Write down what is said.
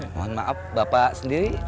mohon maaf bapak sendiri